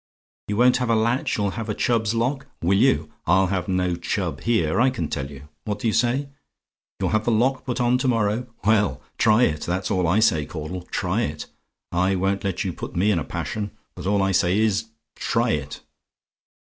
"YOU WON'T HAVE A LATCH YOU'LL HAVE A CHUBB'S LOCK? "Will you? I'll have no Chubb here, I can tell you. What do you say? "YOU'LL HAVE THE LOCK PUT ON TO MORROW? "Well, try it; that's all I say, Caudle; try it. I won't let you put me in a passion; but all I say is, try it.